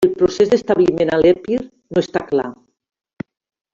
El procés d'establiment a l'Epir no està clar.